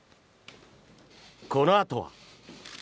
このあとは。